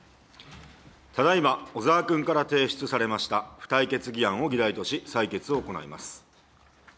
ただいま小沢君から提出されました付帯決議案を議題とし、採決を行います。